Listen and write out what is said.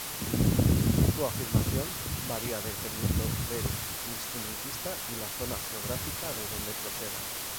Su afinación varía dependiendo del instrumentista y la zona geográfica de donde proceda.